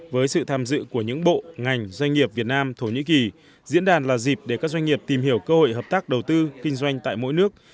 với sự tham dự của những bộ ngành doanh nghiệp việt nam thổ nhĩ kỳ diễn đàn là dịp để các doanh nghiệp tìm hiểu cơ hội hợp tác đầu tư kinh doanh tại mỗi nước